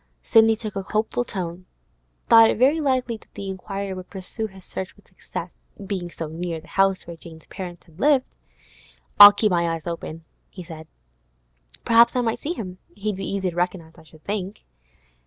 Sidney took a hopeful tone—thought it very likely that the inquirer would pursue his search with success, being so near the house where Jane's parents had lived. 'I'll keep my eyes open,' he said. 'Perhaps I might see him. He'd be easy to recognise, I should think.